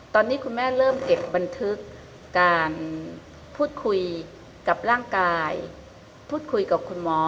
ตอนนี้คุณแม่เริ่มเก็บบันทึกการพูดคุยกับร่างกายพูดคุยกับคุณหมอ